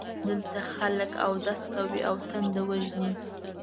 دلته خلک اودس کوي او تنده وژني.